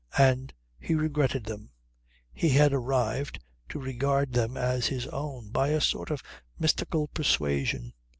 And he regretted them. He had arrived to regard them as his own by a sort of mystical persuasion.